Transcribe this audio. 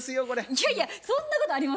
いやいやそんなことありませんよ。